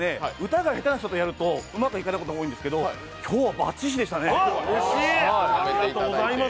歌が下手な人とやるとうまくいかないことが多いんですけど今日はばっちりでしたね。